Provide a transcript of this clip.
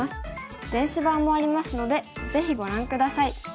電子版もありますのでぜひご覧下さい。